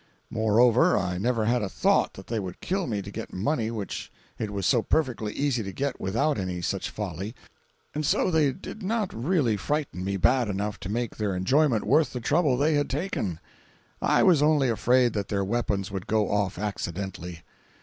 Moreover, I never had a thought that they would kill me to get money which it was so perfectly easy to get without any such folly, and so they did not really frighten me bad enough to make their enjoyment worth the trouble they had taken. I was only afraid that their weapons would go off accidentally.